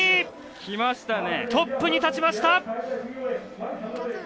トップに立ちました！